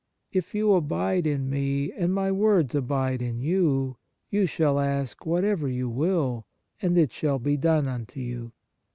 If you abide in Me, and My words abide in you, you shall ask whatever you will, and it shall be done unto you."